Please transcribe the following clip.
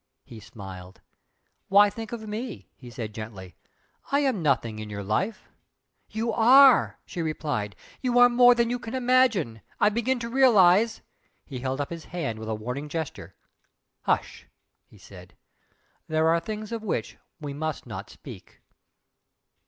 He smiled. "Why think of me?" he said, gently "I am nothing in your life " "You are!" she replied "You are more than you imagine. I begin to realise " He held up his hand with a warning gesture. "Hush!" he said "There are things of which we must not speak!"